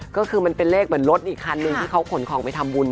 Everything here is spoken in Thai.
ก็คือมันเป็นเลขเหมือนรถอีกคันนึงที่เขาขนของไปทำบุญ